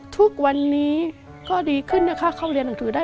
ทุกวันนี้ก็ดีขึ้นนะคะเข้าเรียนหนังสือได้